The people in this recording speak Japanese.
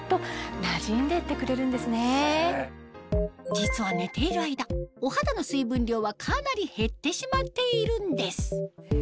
実は寝ている間お肌の水分量はかなり減ってしまっているんです